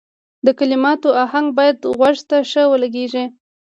د کلماتو اهنګ باید غوږ ته ښه ولګیږي.